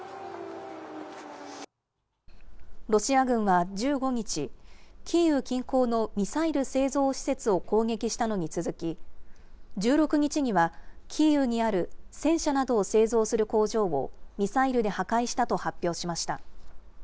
ロシア軍は１５日、キーウ近郊のミサイル製造施設を攻撃したのに続き、１６日には、キーウにある戦車などを製造する工場をミサイルで破壊したと発表しました。